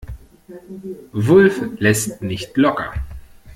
Wulff lässt nicht locker.